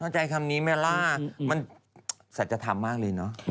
เข้าใจคำนี้ไหมล่ะมันศักดิ์ธรรมมากเลยเนอะ